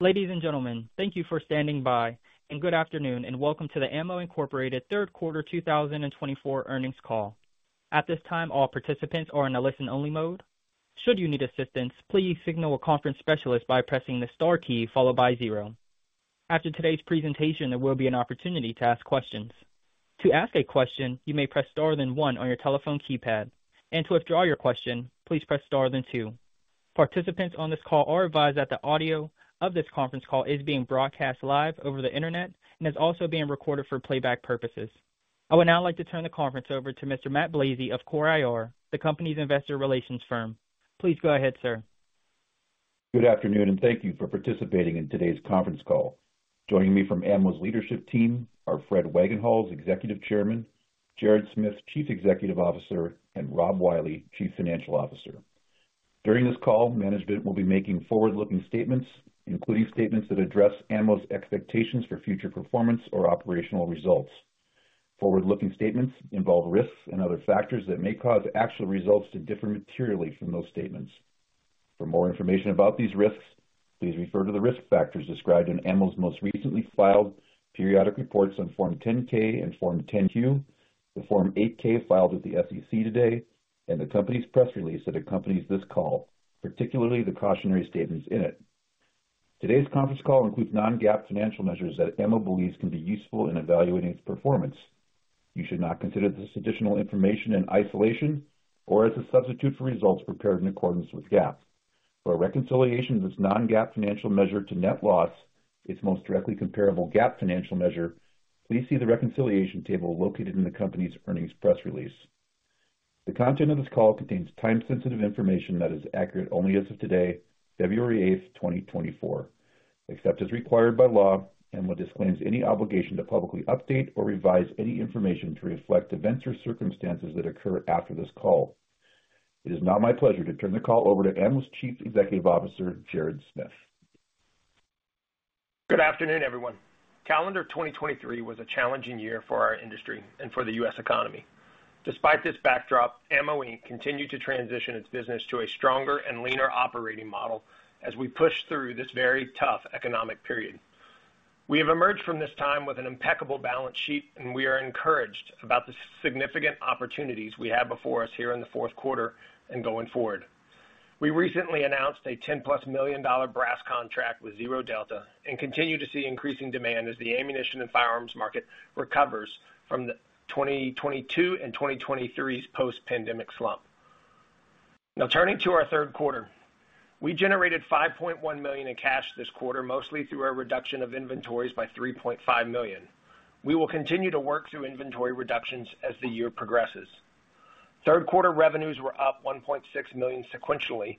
Ladies and gentlemen, thank you for standing by, and good afternoon and welcome to the AMMO Incorporated third quarter 2024 earnings call. At this time, all participants are in a listen-only mode. Should you need assistance, please signal a conference specialist by pressing the star key followed by 0. After today's presentation, there will be an opportunity to ask questions. To ask a question, you may press star then one on your telephone keypad, and to withdraw your question, please press star then two. Participants on this call are advised that the audio of this conference call is being broadcast live over the internet and is also being recorded for playback purposes. I would now like to turn the conference over to Mr. Matt Blazei of CORE IR, the company's investor relations firm. Please go ahead, sir. Good afternoon and thank you for participating in today's conference call. Joining me from AMMO's leadership team are Fred Wagenhals, Executive Chairman; Jared Smith, Chief Executive Officer; and Rob Wiley, Chief Financial Officer. During this call, management will be making forward-looking statements, including statements that address AMMO's expectations for future performance or operational results. Forward-looking statements involve risks and other factors that may cause actual results to differ materially from those statements. For more information about these risks, please refer to the risk factors described in AMMO's most recently filed periodic reports on Form 10-K and Form 10-Q, the Form 8-K filed with the SEC today, and the company's press release that accompanies this call, particularly the cautionary statements in it. Today's conference call includes non-GAAP financial measures that AMMO believes can be useful in evaluating its performance. You should not consider this additional information in isolation or as a substitute for results prepared in accordance with GAAP. For a reconciliation of this non-GAAP financial measure to net loss, its most directly comparable GAAP financial measure, please see the reconciliation table located in the company's earnings press release. The content of this call contains time-sensitive information that is accurate only as of today, February 8th, 2024, except as required by law, and will disclaim any obligation to publicly update or revise any information to reflect events or circumstances that occur after this call. It is now my pleasure to turn the call over to AMMO's Chief Executive Officer, Jared Smith. Good afternoon, everyone. Calendar 2023 was a challenging year for our industry and for the U.S. economy. Despite this backdrop, AMMO, Inc. continued to transition its business to a stronger and leaner operating model as we pushed through this very tough economic period. We have emerged from this time with an impeccable balance sheet, and we are encouraged about the significant opportunities we have before us here in the fourth quarter and going forward. We recently announced a $10+ million brass contract with Zero Delta and continue to see increasing demand as the ammunition and firearms market recovers from the 2022 and 2023's post-pandemic slump. Now, turning to our third quarter, we generated $5.1 million in cash this quarter, mostly through our reduction of inventories by $3.5 million. We will continue to work through inventory reductions as the year progresses. Third quarter revenues were up $1.6 million sequentially,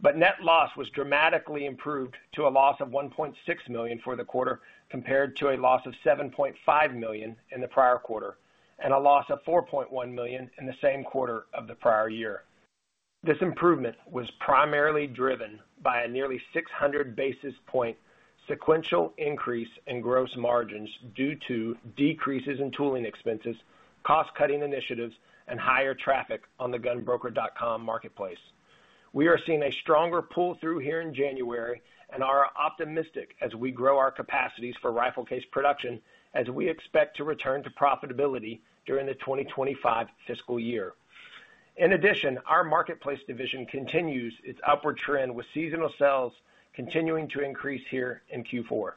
but net loss was dramatically improved to a loss of $1.6 million for the quarter compared to a loss of $7.5 million in the prior quarter and a loss of $4.1 million in the same quarter of the prior year. This improvement was primarily driven by a nearly 600 basis point sequential increase in gross margins due to decreases in tooling expenses, cost-cutting initiatives, and higher traffic on the GunBroker.com marketplace. We are seeing a stronger pull-through here in January and are optimistic as we grow our capacities for rifle case production as we expect to return to profitability during the 2025 fiscal year. In addition, our marketplace division continues its upward trend with seasonal sales continuing to increase here in Q4.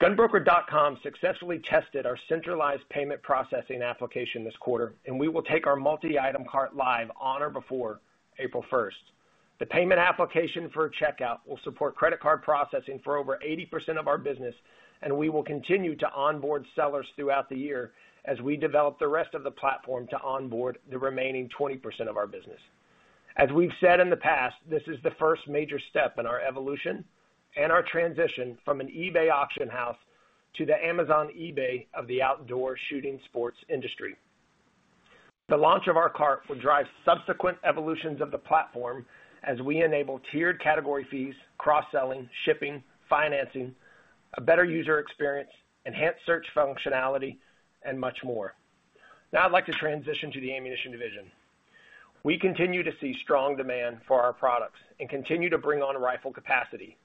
GunBroker.com successfully tested our centralized payment processing application this quarter, and we will take our multi-item cart live on or before April 1st. The payment application for checkout will support credit card processing for over 80% of our business, and we will continue to onboard sellers throughout the year as we develop the rest of the platform to onboard the remaining 20% of our business. As we've said in the past, this is the first major step in our evolution and our transition from an eBay auction house to the Amazon eBay of the outdoor shooting sports industry. The launch of our cart will drive subsequent evolutions of the platform as we enable tiered category fees, cross-selling, shipping, financing, a better user experience, enhanced search functionality, and much more. Now I'd like to transition to the ammunition division. We continue to see strong demand for our products and continue to bring on rifle capacity.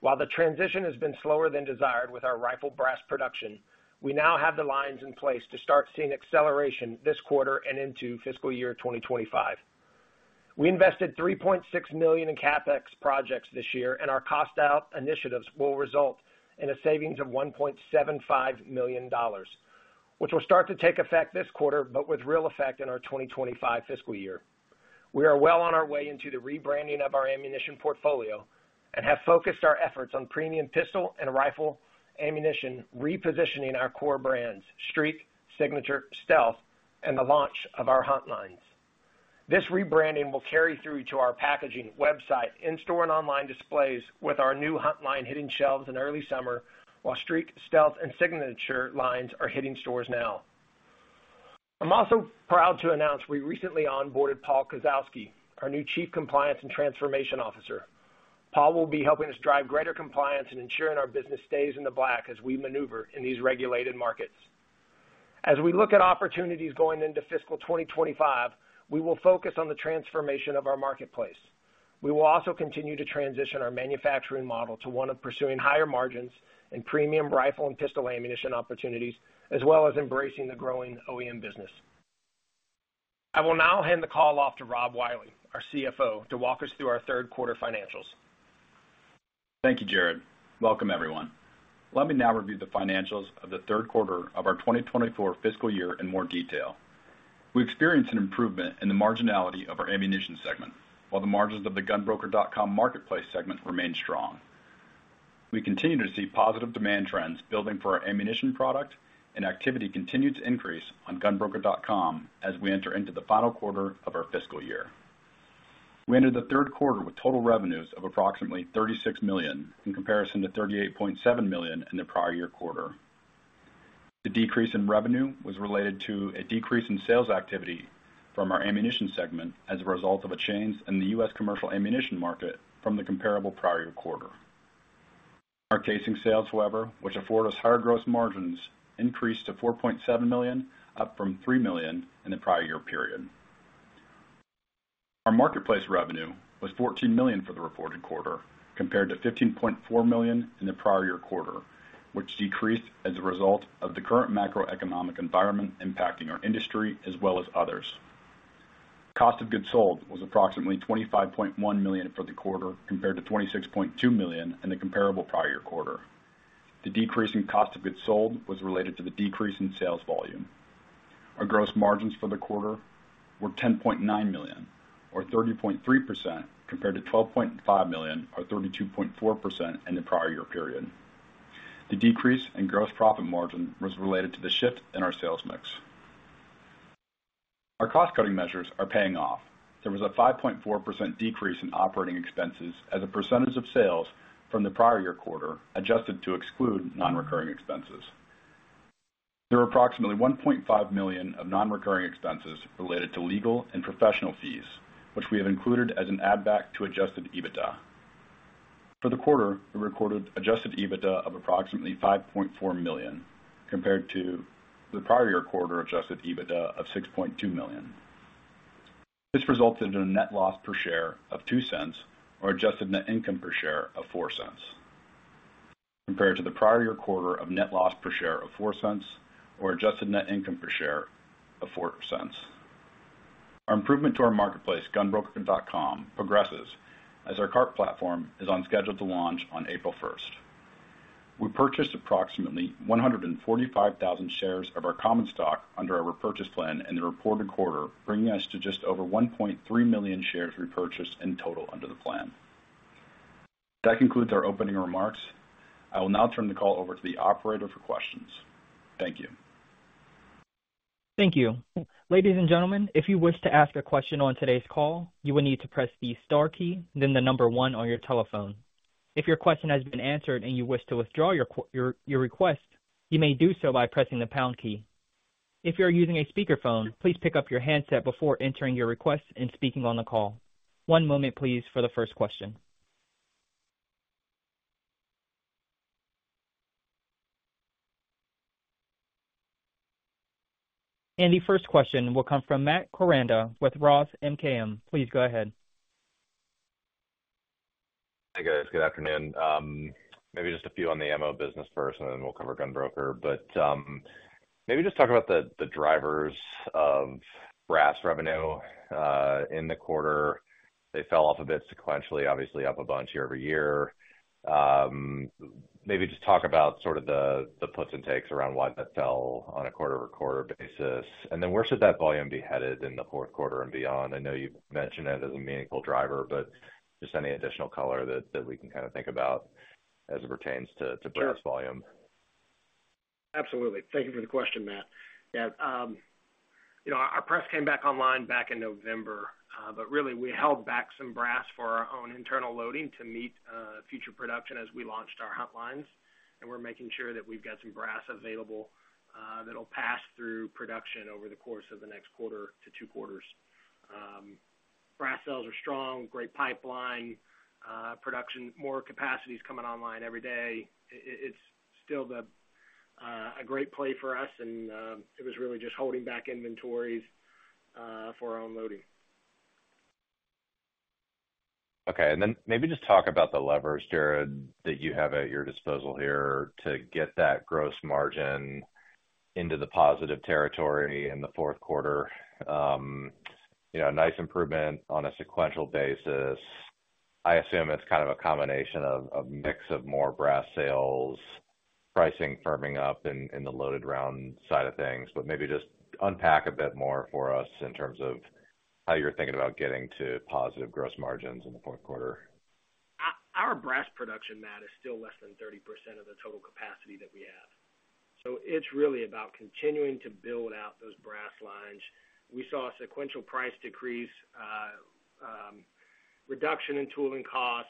While the transition has been slower than desired with our rifle brass production, we now have the lines in place to start seeing acceleration this quarter and into fiscal year 2025. We invested $3.6 million in CapEx projects this year, and our cost-out initiatives will result in a savings of $1.75 million, which will start to take effect this quarter but with real effect in our 2025 fiscal year. We are well on our way into the rebranding of our ammunition portfolio and have focused our efforts on premium pistol and rifle ammunition, repositioning our core brands, STREAK, Signature, Stealth, and the launch of our Hunt lines. This rebranding will carry through to our packaging, website, in-store and online displays with our new HUNT line hitting shelves in early summer, while STREAK, Stealth, and Signature lines are hitting stores now. I'm also proud to announce we recently onboarded Paul Kasowski, our new Chief Compliance and Transformation Officer. Paul will be helping us drive greater compliance and ensuring our business stays in the black as we maneuver in these regulated markets. As we look at opportunities going into fiscal 2025, we will focus on the transformation of our marketplace. We will also continue to transition our manufacturing model to one of pursuing higher margins and premium rifle and pistol ammunition opportunities, as well as embracing the growing OEM business. I will now hand the call off to Rob Wiley, our CFO, to walk us through our third quarter financials. Thank you, Jared. Welcome, everyone. Let me now review the financials of the third quarter of our 2024 fiscal year in more detail. We experienced an improvement in the marginality of our ammunition segment, while the margins of the GunBroker.com marketplace segment remained strong. We continue to see positive demand trends building for our ammunition product, and activity continued to increase on GunBroker.com as we enter into the final quarter of our fiscal year. We entered the third quarter with total revenues of approximately $36 million in comparison to $38.7 million in the prior year quarter. The decrease in revenue was related to a decrease in sales activity from our ammunition segment as a result of a change in the U.S. commercial ammunition market from the comparable prior year quarter. Our casing sales, however, which afford us higher gross margins, increased to $4.7 million, up from $3 million in the prior year period. Our marketplace revenue was $14 million for the reported quarter compared to $15.4 million in the prior year quarter, which decreased as a result of the current macroeconomic environment impacting our industry as well as others. Cost of goods sold was approximately $25.1 million for the quarter compared to $26.2 million in the comparable prior year quarter. The decrease in cost of goods sold was related to the decrease in sales volume. Our gross margins for the quarter were $10.9 million, or 30.3%, compared to $12.5 million, or 32.4%, in the prior year period. The decrease in gross profit margin was related to the shift in our sales mix. Our cost-cutting measures are paying off. There was a 5.4% decrease in operating expenses as a percentage of sales from the prior year quarter adjusted to exclude non-recurring expenses. There were approximately $1.5 million of non-recurring expenses related to legal and professional fees, which we have included as an add-back to Adjusted EBITDA. For the quarter, we recorded Adjusted EBITDA of approximately $5.4 million compared to the prior year quarter Adjusted EBITDA of $6.2 million. This resulted in a net loss per share of $0.02, or adjusted net income per share of $0.04, compared to the prior year quarter of net loss per share of $0.04, or adjusted net income per share of $0.04. Our improvement to our marketplace, GunBroker.com, progresses as our cart platform is on schedule to launch on April 1st. We purchased approximately 145,000 shares of our common stock under our repurchase plan in the reported quarter, bringing us to just over 1.3 million shares repurchased in total under the plan. That concludes our opening remarks. I will now turn the call over to the operator for questions. Thank you. Thank you. Ladies and gentlemen, if you wish to ask a question on today's call, you will need to press the star key, then the number one on your telephone. If your question has been answered and you wish to withdraw your request, you may do so by pressing the pound key. If you are using a speakerphone, please pick up your handset before entering your request and speaking on the call. One moment, please, for the first question. The first question will come from Matt Koranda with Roth MKM. Please go ahead. Hey, guys. Good afternoon. Maybe just a few on the AMMO business first, and then we'll cover GunBroker. Maybe just talk about the drivers of brass revenue in the quarter. They fell off a bit sequentially, obviously up a bunch year-over-year. Maybe just talk about sort of the puts and takes around why that fell on a quarter-over-quarter basis. Then where should that volume be headed in the fourth quarter and beyond? I know you've mentioned it as a meaningful driver, but just any additional color that we can kind of think about as it pertains to brass volume. Absolutely. Thank you for the question, Matt. Yeah. Our press came back online back in November, but really, we held back some brass for our own internal loading to meet future production as we launched our Hunt Lines. And we're making sure that we've got some brass available that'll pass through production over the course of the next quarter to two quarters. Brass sales are strong, great pipeline production, more capacities coming online every day. It's still a great play for us, and it was really just holding back inventories for our own loading. Okay. Then maybe just talk about the levers, Jared, that you have at your disposal here to get that gross margin into the positive territory in the fourth quarter. A nice improvement on a sequential basis. I assume it's kind of a combination of a mix of more brass sales, pricing firming up in the loaded-round side of things. But maybe just unpack a bit more for us in terms of how you're thinking about getting to positive gross margins in the fourth quarter. Our brass production, Matt, is still less than 30% of the total capacity that we have. So it's really about continuing to build out those brass lines. We saw a sequential price decrease, reduction in tooling cost,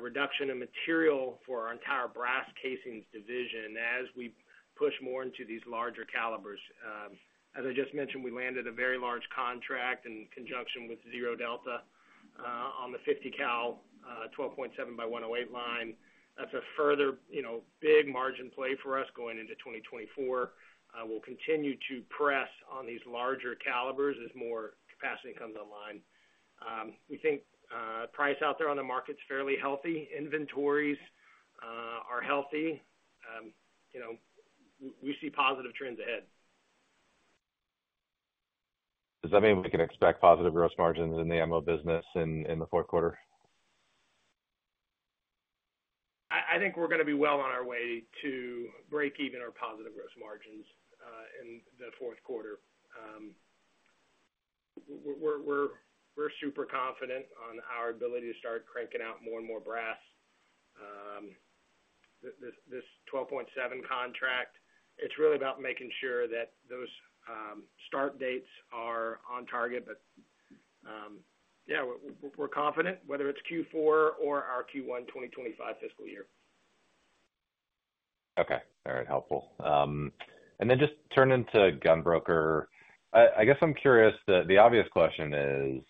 reduction in material for our entire brass casings division as we push more into these larger calibers. As I just mentioned, we landed a very large contract in conjunction with Zero Delta on the 50-cal 12.7x108 mm line. That's a further big margin play for us going into 2024. We'll continue to press on these larger calibers as more capacity comes online. We think price out there on the market's fairly healthy. Inventories are healthy. We see positive trends ahead. Does that mean we can expect positive gross margins in the AMMO business in the fourth quarter? I think we're going to be well on our way to break even our positive gross margins in the fourth quarter. We're super confident on our ability to start cranking out more and more brass. This 12.7 contract, it's really about making sure that those start dates are on target. But yeah, we're confident, whether it's Q4 or our Q1 2025 fiscal year. Okay. All right. Helpful. Then just turning to GunBroker, I guess I'm curious. The obvious question is,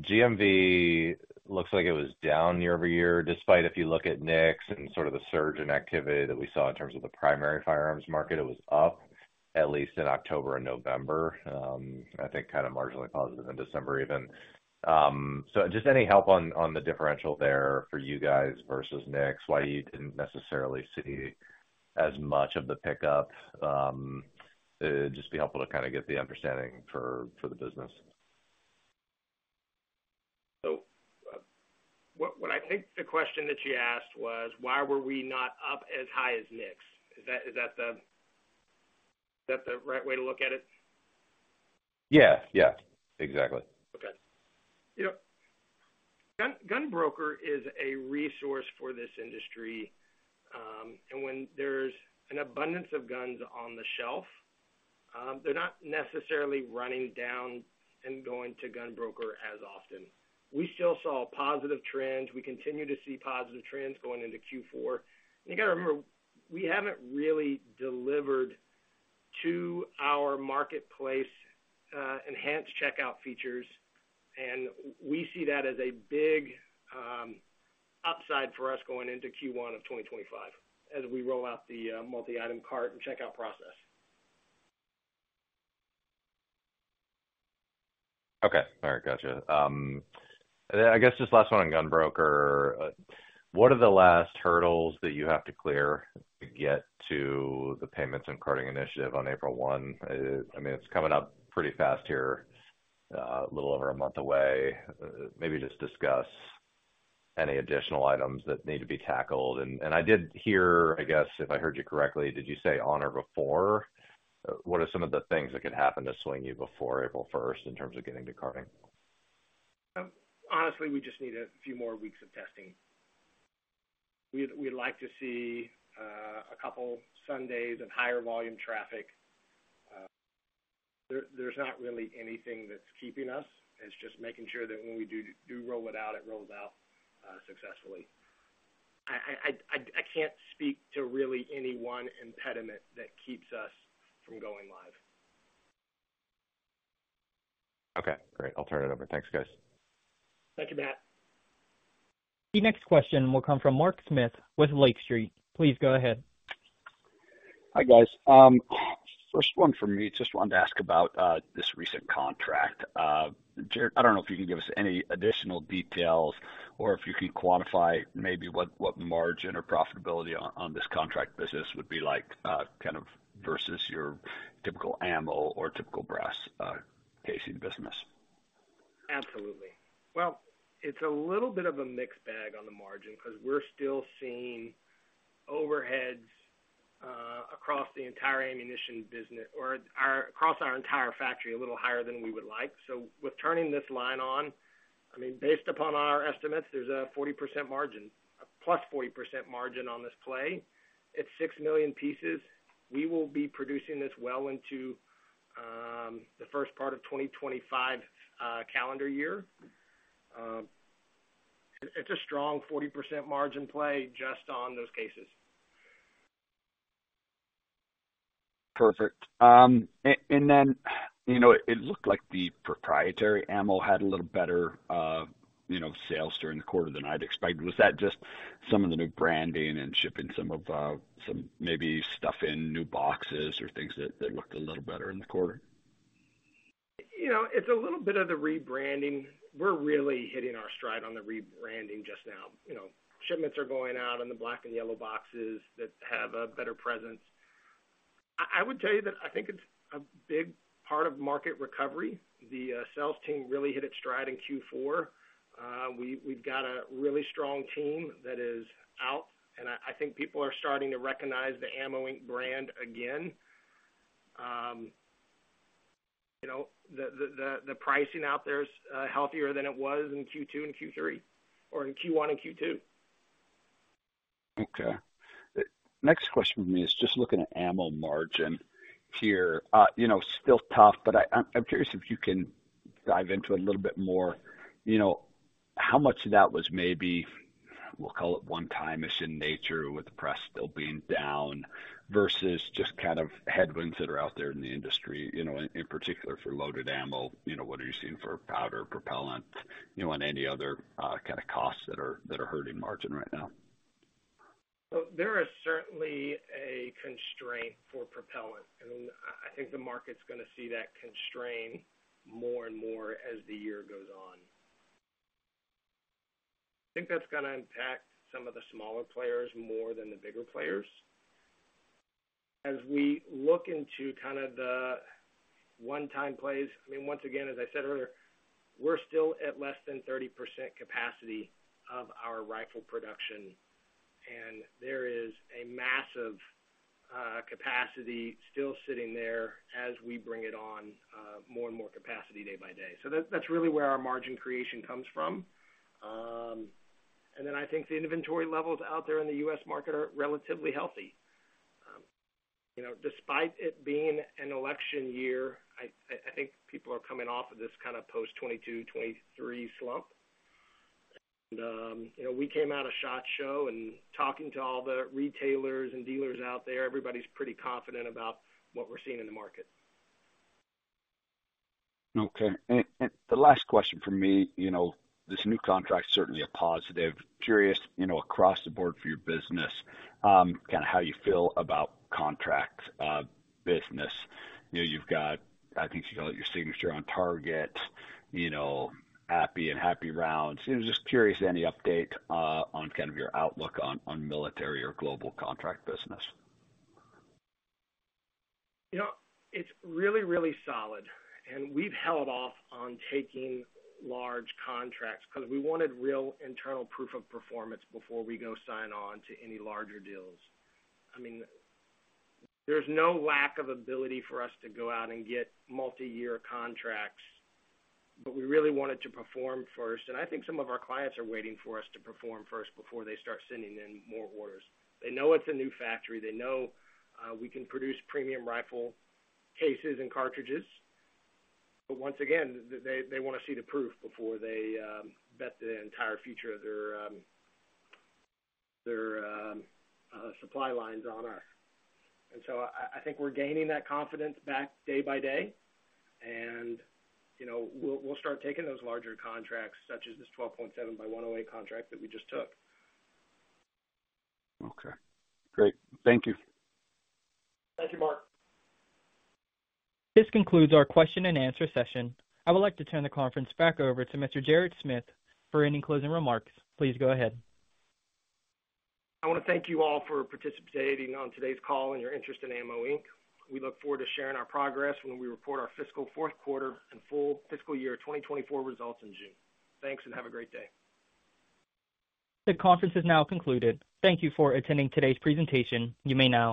GMV looks like it was down year-over-year. Despite if you look at NICS and sort of the surge in activity that we saw in terms of the primary firearms market, it was up, at least in October and November, I think kind of marginally positive in December even. So just any help on the differential there for you guys versus NICS, why you didn't necessarily see as much of the pickup? It'd just be helpful to kind of get the understanding for the business. What I think the question that you asked was, "Why were we not up as high as NICS?" Is that the right way to look at it? Yeah. Yeah. Exactly. Okay. GunBroker is a resource for this industry. And when there's an abundance of guns on the shelf, they're not necessarily running down and going to GunBroker as often. We still saw positive trends. We continue to see positive trends going into Q4. And you got to remember, we haven't really delivered to our marketplace enhanced checkout features, and we see that as a big upside for us going into Q1 of 2025 as we roll out the multi-item cart and checkout process. Okay. All right. Gotcha. And then I guess just last one on GunBroker. What are the last hurdles that you have to clear to get to the payments and carting initiative on April 1? I mean, it's coming up pretty fast here, a little over a month away. Maybe just discuss any additional items that need to be tackled. And I did hear, I guess, if I heard you correctly, did you say on or before? What are some of the things that could happen to swing you before April 1st in terms of getting to carting? Honestly, we just need a few more weeks of testing. We'd like to see a couple Sundays of higher volume traffic. There's not really anything that's keeping us. It's just making sure that when we do roll it out, it rolls out successfully. I can't speak to really any one impediment that keeps us from going live. Okay. Great. I'll turn it over. Thanks, guys. Thank you, Matt. The next question will come from Mark Smith with Lake Street. Please go ahead. Hi, guys. First one from me. Just wanted to ask about this recent contract. Jared, I don't know if you can give us any additional details or if you can quantify maybe what margin or profitability on this contract business would be like kind of versus your typical ammo or typical brass casing business? Absolutely. Well, it's a little bit of a mixed bag on the margin because we're still seeing overheads across the entire ammunition business or across our entire factory a little higher than we would like. So with turning this line on, I mean, based upon our estimates, there's a 40% margin, a +40% margin on this play. It's six million pieces. We will be producing this well into the first part of 2025 calendar year. It's a strong 40% margin play just on those cases. Perfect. Then it looked like the proprietary ammo had a little better sales during the quarter than I'd expected. Was that just some of the new branding and shipping some of maybe stuff in new boxes or things that looked a little better in the quarter? It's a little bit of the rebranding. We're really hitting our stride on the rebranding just now. Shipments are going out in the black and yellow boxes that have a better presence. I would tell you that I think it's a big part of market recovery. The sales team really hit its stride in Q4. We've got a really strong team that is out, and I think people are starting to recognize the AMMO, Inc. brand again. The pricing out there's healthier than it was in Q2 and Q3 or in Q1 and Q2. Okay. Next question for me is just looking at ammo margin here. Still tough, but I'm curious if you can dive into it a little bit more. How much of that was maybe, we'll call it one-timish in nature with the press still being down versus just kind of headwinds that are out there in the industry, in particular for loaded ammo? What are you seeing for powder, propellant, and any other kind of costs that are hurting margin right now? There is certainly a constraint for propellant, and I think the market's going to see that constraint more and more as the year goes on. I think that's going to impact some of the smaller players more than the bigger players. As we look into kind of the one-time plays, I mean, once again, as I said earlier, we're still at less than 30% capacity of our rifle production, and there is a massive capacity still sitting there as we bring it on, more and more capacity day by day. So that's really where our margin creation comes from. Then I think the inventory levels out there in the U.S. market are relatively healthy. Despite it being an election year, I think people are coming off of this kind of post-2022, 2023 slump. We came out of SHOT Show, and talking to all the retailers and dealers out there, everybody's pretty confident about what we're seeing in the market. Okay. And the last question for me, this new contract's certainly a positive. Curious across the board for your business, kind of how you feel about contract business. You've got, I think you call it, your signature on target, API and Happy Rounds. Just curious, any update on kind of your outlook on military or global contract business. It's really, really solid. We've held off on taking large contracts because we wanted real internal proof of performance before we go sign on to any larger deals. I mean, there's no lack of ability for us to go out and get multi-year contracts, but we really wanted to perform first. I think some of our clients are waiting for us to perform first before they start sending in more orders. They know it's a new factory. They know we can produce premium rifle cases and cartridges. But once again, they want to see the proof before they bet the entire future of their supply lines on us. So I think we're gaining that confidence back day by day, and we'll start taking those larger contracts such as this 12.7x108 contract that we just took. Okay. Great. Thank you. Thank you, Mark. This concludes our question-and-answer session. I would like to turn the conference back over to Mr. Jared Smith. For any closing remarks, please go ahead. I want to thank you all for participating on today's call and your interest in AMMO, Inc. We look forward to sharing our progress when we report our fiscal fourth quarter and full fiscal year 2024 results in June. Thanks, and have a great day. The conference is now concluded. Thank you for attending today's presentation. You may now.